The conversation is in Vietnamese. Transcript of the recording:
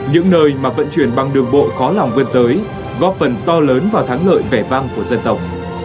những nơi mà vận chuyển bằng đường bộ khó lòng vươn tới góp phần to lớn vào thắng lợi vẻ vang của dân tộc